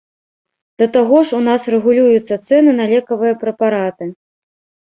Да таго ж, у нас рэгулююцца цэны на лекавыя прэпараты.